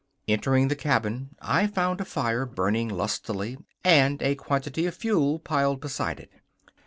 Entering the cabin, I found a fire burning lustily and a quantity of fuel piled beside it.